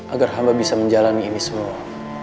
agar hamba bisa menjalani ini semua